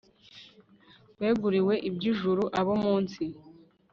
weguriwe iby'ijuru , abo munsi